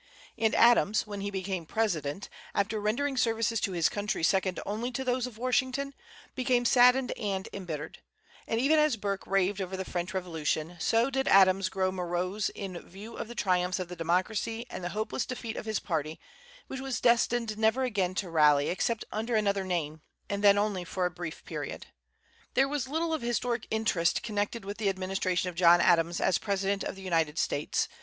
And Adams, when he became president, after rendering services to his country second only to those of Washington, became saddened and embittered; and even as Burke raved over the French Revolution, so did Adams grow morose in view of the triumphs of the Democracy and the hopeless defeat of his party, which was destined never again to rally except under another name, and then only for a brief period. There was little of historic interest connected with the administration of John Adams as President of the United States.